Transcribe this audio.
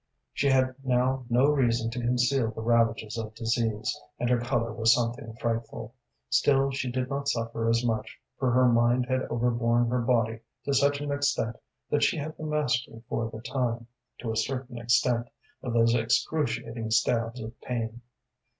She had now no reason to conceal the ravages of disease, and her color was something frightful. Still, she did not suffer as much, for her mind had overborne her body to such an extent that she had the mastery for the time, to a certain extent, of those excruciating stabs of pain.